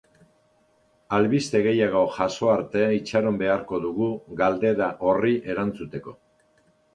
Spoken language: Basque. Albiste gehiago jaso arte itxaron beharko dugu galdera horri erantzuteko.